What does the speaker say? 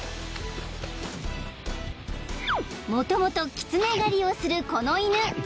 ［もともとキツネ狩りをするこの犬］